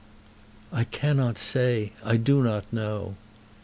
"I cannot say. I do not know."